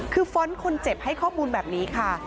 คือฟ้อนต์คนเจ็บให้ข้อมูลแบบนี้ค่ะ